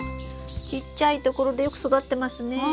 ちっちゃい所でよく育ってますね。